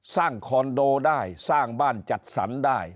คอนโดได้สร้างบ้านจัดสรรได้